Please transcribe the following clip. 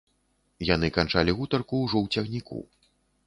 Яны канчалі гутарку ўжо ў цягніку.